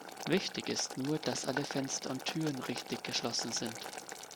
Wichtig ist nur, dass alle Fenster und Türen richtig geschlossen sind.